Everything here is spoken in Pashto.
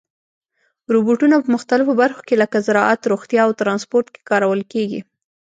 روبوټونه په مختلفو برخو کې لکه زراعت، روغتیا او ترانسپورت کې کارول کېږي.